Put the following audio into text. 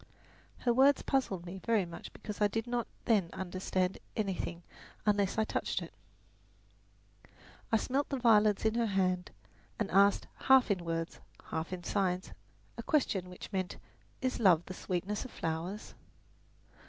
Her words puzzled me very much because I did not then understand anything unless I touched it. I smelt the violets in her hand and asked, half in words, half in signs, a question which meant, "Is love the sweetness of flowers?"